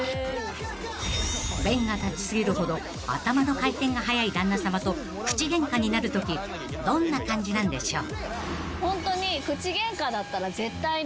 ［弁が立ち過ぎるほど頭の回転が速い旦那さまと口ゲンカになるときどんな感じなんでしょう］